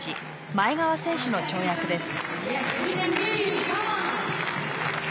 前川選手の跳躍です。